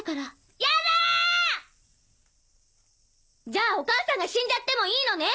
じゃあお母さんが死んじゃってもいいのね